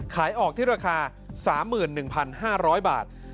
ขายออกที่ราคา๓๑๕๐๐บาท